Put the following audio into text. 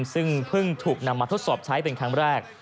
ซึ่งเพิ่งถูกนำมาทดสอบใช้เป็นครั้งแรก